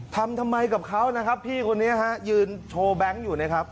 ทำทำไมกับเขานะครับพี่คนนี้ฮะยืนโชว์แบงค์อยู่นะครับ